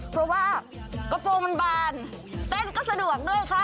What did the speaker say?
เพราะว่ากระโปรงมันบานเต้นก็สะดวกด้วยค่ะ